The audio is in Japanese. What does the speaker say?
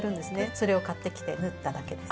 それを買ってきて縫っただけです。